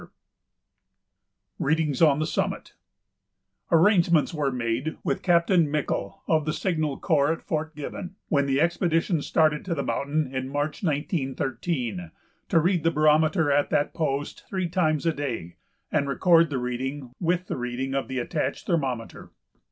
[Sidenote: Readings on the Summit] Arrangements were made with Captain Michel of the Signal Corps at Fort Gibbon, when the expedition started to the mountain in March, 1913, to read the barometer at that post three times a day and record the reading with the reading of the attached thermometer.